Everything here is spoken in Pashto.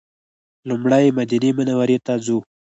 لومړی مدینې منورې ته ځو.